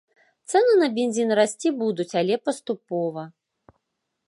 Цэны на бензін расці будуць, але паступова.